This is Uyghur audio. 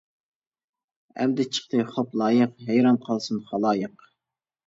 ئەمدى چىقتى خوپ لايىق، ھەيران قالسۇن خالايىق.